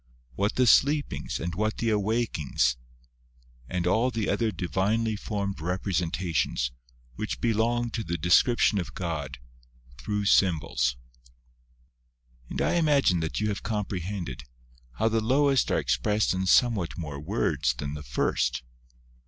what the sleepings, and what the awak ings ? and all the other Divinely formed representa tions, which belong to the description of God, through symbols. And I imagine that you have comprehended, how the lowest are expressed in some what more words than the first.